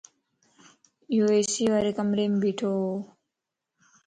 يو اي سي واري ڪمريم ٻيھڻووَ